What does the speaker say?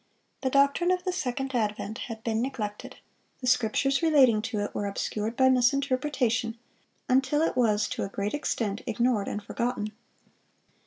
The doctrine of the second advent had been neglected; the scriptures relating to it were obscured by misinterpretation, until it was, to a great extent, ignored and forgotten.